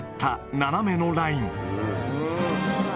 斜めのライン。